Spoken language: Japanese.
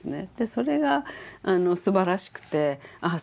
それがすばらしくてああ